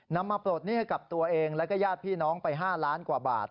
มาปลดหนี้ให้กับตัวเองแล้วก็ญาติพี่น้องไป๕ล้านกว่าบาท